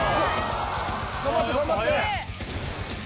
頑張って頑張って。